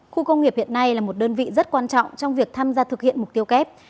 khu công nghiệp hiện nay là một đơn vị rất quan trọng trong việc tham gia thực hiện mục tiêu kép